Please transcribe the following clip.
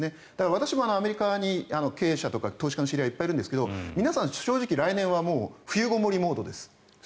私もアメリカに経営者とか投資家の知り合いいっぱいいるんですが皆さん正直、来年は冬ごもりモードです。